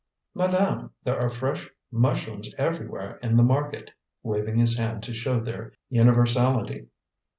"Madame, there are fresh mushrooms everywhere in the market," waving his hand to show their universality.